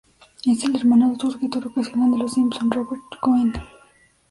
Es el hermano de otro escritor ocasional de Los Simpson, Robert Cohen.